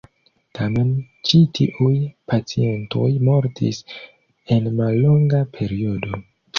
Tamen ĉi tiuj pacientoj mortis en mallonga periodo.